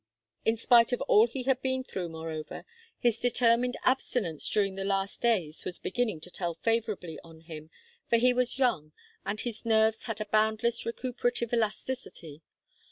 In spite of all he had been through, moreover, his determined abstinence during the last days was beginning to tell favourably on him, for he was young, and his nerves had a boundless recuperative elasticity.